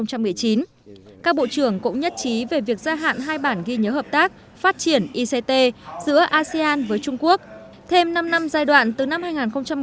các bộ trưởng cũng nhất trí về việc gia hạn hai bản ghi nhớ hợp tác phát triển ict giữa asean với trung quốc